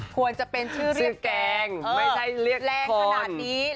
ควรจะเป็นชื่อเรียกแกงแล้งขนาดนี้ชื่อแกงไม่ใช่เรียกคน